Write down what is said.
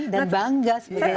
dan bangga sebagai indonesia